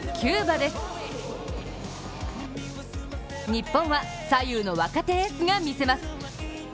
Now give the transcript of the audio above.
日本は左右の若手エースが見せます。